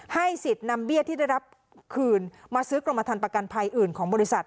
สิทธิ์นำเบี้ยที่ได้รับคืนมาซื้อกรมฐานประกันภัยอื่นของบริษัท